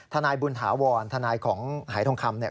ธนาคบุญฐาวรธนาคมหายท่องคำ